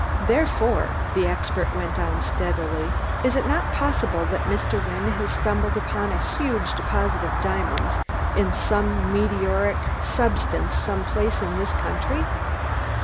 "Therefore," the expert went on steadily, "is it not possible that Mr. Wynne has stumbled upon a huge deposit of diamonds in some meteoric substance some place in this country?